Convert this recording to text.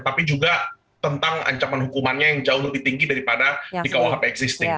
tapi juga tentang ancaman hukumannya yang jauh lebih tinggi daripada di kuhp existing